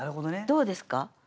どうですか？